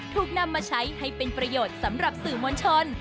ถูกนำมาใช้ให้เป็นประโยชน์สำหรับสื่อมวลชน